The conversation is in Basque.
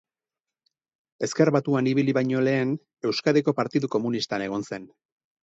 Ezker Batuan ibili baino lehen, Euskadiko Partidu Komunistan egon zen.